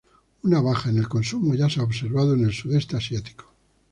Una baja en el consumo ya se ha observado en el sudeste asiático.